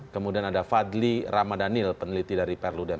kemudian ada fadli ramadhanil peneliti dari perludem